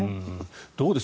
どうです？